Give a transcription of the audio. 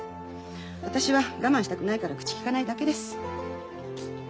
私は我慢したくないから口きかないだけです。